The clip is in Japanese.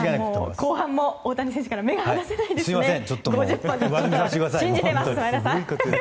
後半も大谷選手から目が離せませんね。